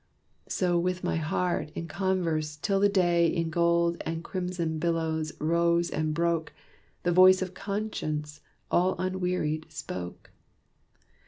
So with my heart, in converse, till the day In gold and crimson billows, rose and broke, The voice of Conscience, all unwearied, spoke.